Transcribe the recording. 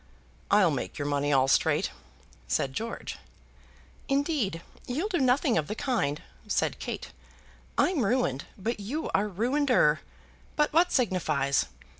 "I'll make your money all straight," said George. "Indeed you'll do nothing of the kind," said Kate. "I'm ruined, but you are ruineder. But what signifies?